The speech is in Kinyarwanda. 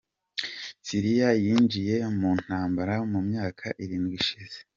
Siriya yinjiye mu ntambara mu myaka irindwi ishize.